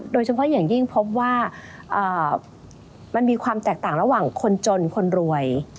โดยเฉพาะอย่างยิ่งพบว่ามันมีความแตกต่างระหว่างคนจนคนรวย